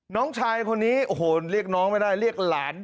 น้องชายคนนี้โอ้โหเรียกน้องไม่ได้เรียกหลาน